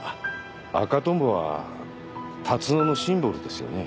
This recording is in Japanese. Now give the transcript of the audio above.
赤トンボは龍野のシンボルですよね？